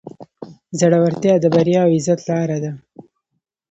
زړورتیا د بریا او عزت لاره ده.